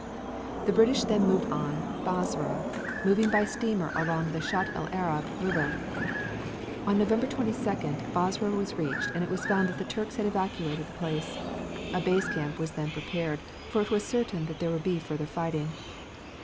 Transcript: The British then moved on Basra, moving by steamer along the Shat el Arab River. On November 22d Basra was reached and it was found that the Turks had evacuated the place. A base camp was then prepared, for it was certain that there would be further fighting.